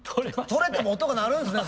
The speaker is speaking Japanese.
取れても音が鳴るんすね